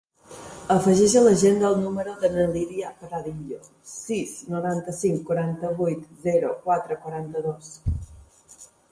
Afegeix a l'agenda el número de la Lya Pradillo: sis, noranta-cinc, quaranta-vuit, zero, quatre, quaranta-dos.